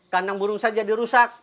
kandang burung saya jadi rusak